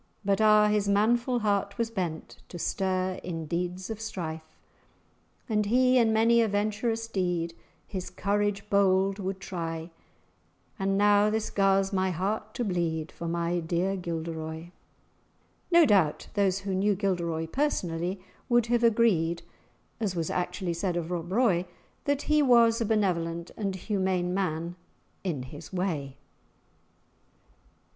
But ah! his manful heart was bent To stir in deeds of strife; And he in many a venturous deed His courage bold would try; And now this gars[#] my heart to bleed For my dear Gilderoy." [#] Makes. No doubt those who knew Gilderoy personally would have agreed, as was actually said of Rob Roy, that he was a benevolent and humane man "in his way."